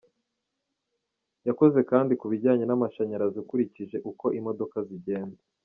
Yakoze kandi ku bijyanye n’amashanyarazi ukurikije uko imodoka zigenda.